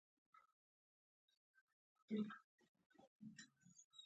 پاچا صاحب وویل ګلداد خانه لکه چې عقل دې له سره والوت.